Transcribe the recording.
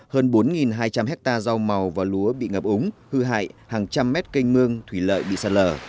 hơn bốn hai trăm linh hectare rau màu và lúa bị ngập úng hư hại hàng trăm mét canh mương thủy lợi bị sạt lở